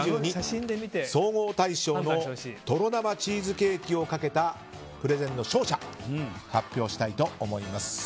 総合大賞のとろ生チーズケーキをかけたプレゼンの勝者発表したいと思います。